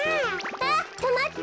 あっとまって！